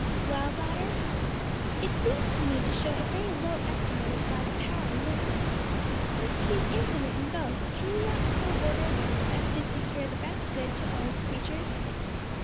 "Well, daughter?" "It seems to me to show a very low estimate of God's power and wisdom. Since he is infinite in both, can he not so order events as to secure the best good to all his creatures?"